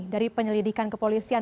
dari penyelidikan kepolisian